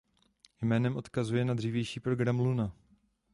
Jménem odkazuje na dřívější program Luna.